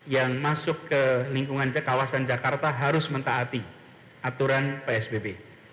yang masuk ke lingkungan kawasan jakarta harus mentaati aturan psbb